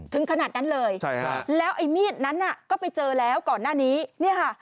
ถึงขนาดนั้นเลยใช่ฮะแล้วไอ้มีดนั้นน่ะก็ไปเจอแล้วก่อนหน้านี้เนี่ยค่ะ